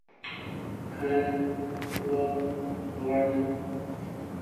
Physical stressors may produce pain and impair work performance.